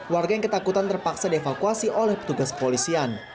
warga yang ketakutan terpaksa dievakuasi oleh petugas kepolisian